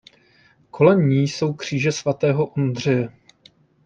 Kolem ní jsou kříže svatého Ondřeje.